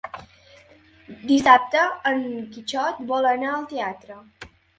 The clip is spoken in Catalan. Dissabte en Quixot vol anar al teatre.